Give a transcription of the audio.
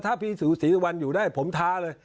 ถ้าพี่สูสีวันอยู่ได้ผมท้าเลย